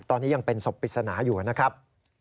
ตอนนี้ยังเป็นศพปริศนาอยู่นะครับ